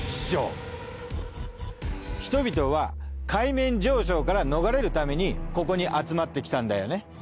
人々は海面上昇から逃れるためにここに集まってきたんだよね。